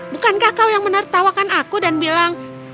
bukankah kau yang menertawakan aku dan bilang